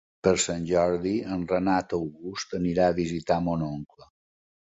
Per Sant Jordi en Renat August anirà a visitar mon oncle.